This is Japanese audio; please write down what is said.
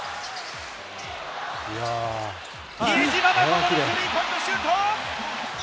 比江島がここでスリーポイントシュート！